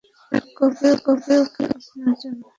Black coffee - okay - আর আপনার জন্য?